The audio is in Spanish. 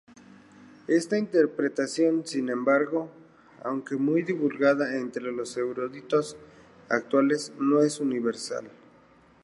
Esta interpretación, sin embargo, aunque muy divulgada entre los eruditos actuales, no es universal.